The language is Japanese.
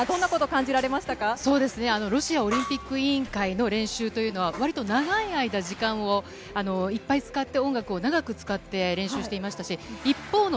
先ほど練習もご覧いただきましたが、どんなこロシアオリンピック委員会の練習というのはわりと長い間時間をいっぱい使って音楽を長く使って練習をしていました。